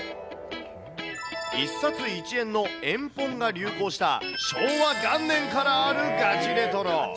１冊１円の円本が流行した昭和元年からあるガチレトロ。